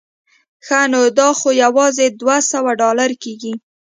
ښه نو دا خو یوازې دوه سوه ډالره کېږي.